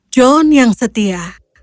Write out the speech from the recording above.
john yang setia